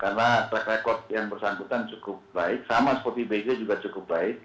karena track record yang bersambutan cukup baik sama seperti begir juga cukup baik